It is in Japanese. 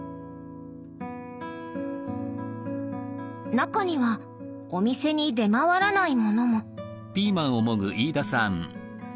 中にはお店に出回らないものも。